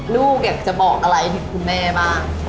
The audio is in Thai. ลูกอยากจะบอกอะไรถึงคุณแม่บ้าง